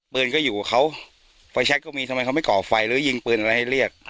ปืนก็อยู่กับเขาไฟแช็คก็มีทำไมเขาไม่ก่อไฟหรือยิงปืนอะไรให้เรียก